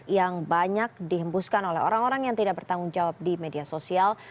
yang banyak dihembuskan oleh orang orang yang tidak bertanggung jawab di media sosial